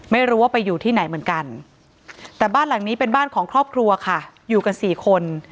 ไม่รู้ว่าไปอยู่ที่ไหนเหมือนกันแต่บ้านหลังนี้เป็นบ้านของครอบครัวค่ะอยู่กันสี่คน